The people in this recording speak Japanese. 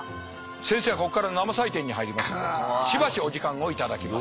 先生はここから生採点に入りますのでしばしお時間を頂きます。